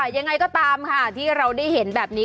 ยังไงก็ตามค่ะที่เราได้เห็นแบบนี้